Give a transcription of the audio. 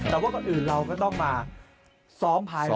แต่ว่าก่อนอื่นเราก็ต้องมาซ้อมภายหลัง